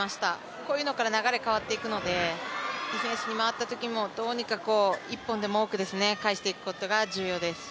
こういうのから流れが変わっていくのでディフェンスに回ったときもどうにか１本でも多く返していくことが重要です。